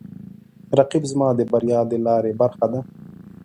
رقیب زما د بریا د لارې برخه ده